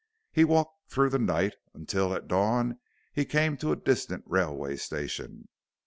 He walked through the night, until, at dawn, he came to a distant railway station.